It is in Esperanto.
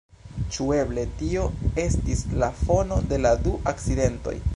Ĉu eble tio estis la fono de la du akcidentoj?